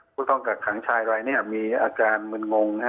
คุณท่องกับขังชายรายมีอาการมึงงง